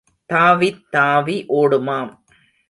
தாவித் தாவி ஓடுமாம்.